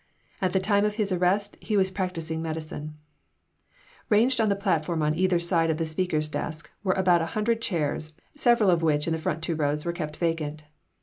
At the time of his arrest he was practising medicine Ranged on the platform on either side of the speaker's desk were about a hundred chairs, several of which in the two front rows were kept vacant.